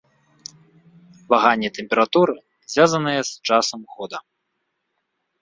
Ваганні тэмпературы звязаныя з часам года.